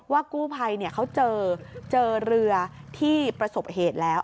กู้ภัยเขาเจอเจอเรือที่ประสบเหตุแล้ว